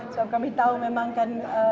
kalau kami tahu memang kan